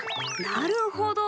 なるほど。